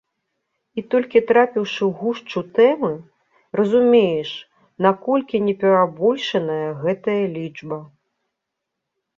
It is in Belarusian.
І толькі трапіўшы ў гушчу тэмы, разумееш, наколькі не перабольшаная гэтая лічба.